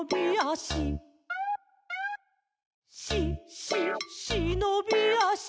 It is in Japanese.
「し・し・しのびあし」